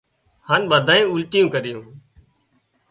هانَ ٻڌانئي اُلٽيون ڪريون